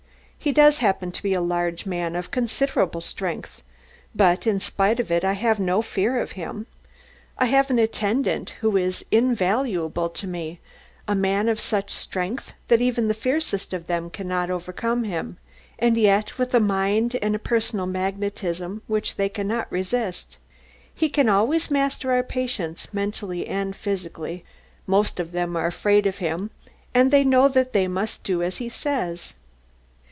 He does happen to be a large man of considerable strength, but in spite of it I have no fear of him. I have an attendant who is invaluable to me, a man of such strength that even the fiercest of them cannot overcome him, and yet with a mind and a personal magnetism which they cannot resist. He can always master our patients mentally and physically most of them are afraid of him and they know that they must do as he says.